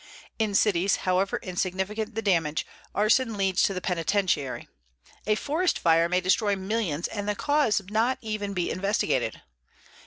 In cities, however insignificant the damage, arson leads to the penitentiary. A forest fire may destroy millions and the cause not even be investigated.